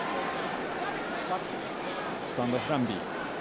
スタンドオフランビー。